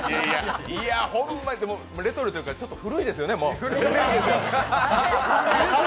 ほんまにレトロというか、ちょっと古いですよね、もう。